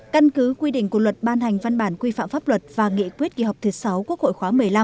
căn cứ quy định của luật ban hành văn bản quy phạm pháp luật và nghị quyết kỳ họp thứ sáu quốc hội khóa một mươi năm